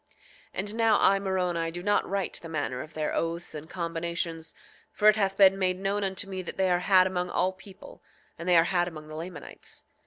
8:20 And now I, Moroni, do not write the manner of their oaths and combinations, for it hath been made known unto me that they are had among all people, and they are had among the Lamanites.